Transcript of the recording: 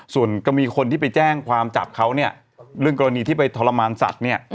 ส่วนก็มีคนที่ไปแจ้งความจับเขาเนี่ยเรื่องกรณีที่ไปทรมานสัตว์เนี่ย